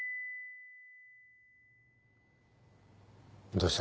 どうした？